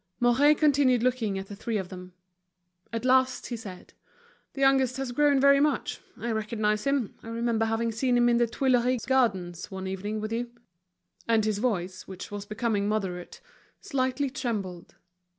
Mouret continued looking at the three of them. At last he said: "The youngest has grown very much. I recognize him, I remember having seen him in the Tuileries Gardens one evening with you." And his voice, which was becoming moderate, slightly trembled.